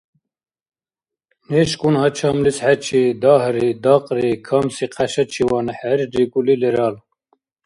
НешкӀун гьачамлис хӀечи дагьри-дакьри камси хъяшачиван хӀеррикӀули лерал.